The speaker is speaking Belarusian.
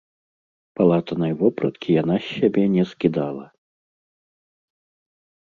Палатанай вопраткі яна з сябе не скідала.